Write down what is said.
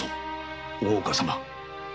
大岡様